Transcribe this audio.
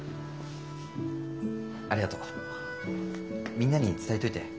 みんなに伝えといて。